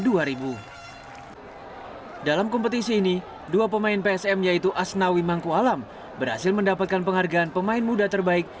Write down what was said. dalam kompetisi ini dua pemain psm yaitu asnawi mangkualam berhasil mendapatkan penghargaan pemain muda terbaik